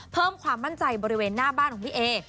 เพิ่มความมั่นใจบริเวณหน้าบ้านของพี่เอ